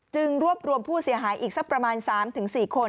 รวบรวมผู้เสียหายอีกสักประมาณ๓๔คน